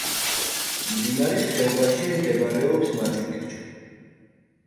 მდინარის ხეობაში მდებარეობს მაჩუ-პიქჩუ.